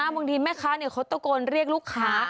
บางทีแม่ค้าเขาตะโกนเรียกลูกค้า